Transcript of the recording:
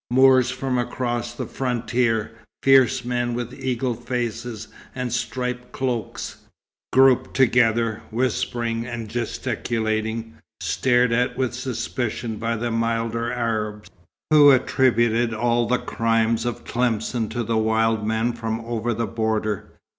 Moors from across the frontier fierce men with eagle faces and striped cloaks grouped together, whispering and gesticulating, stared at with suspicion by the milder Arabs, who attributed all the crimes of Tlemcen to the wild men from over the border.